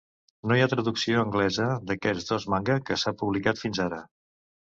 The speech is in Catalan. No hi ha traducció anglesa d'aquests dos manga que s'ha publicat fins ara.